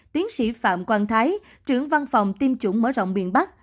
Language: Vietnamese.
tiến sĩ phạm quang thái trưởng văn phòng tiêm chủng mở rộng miền bắc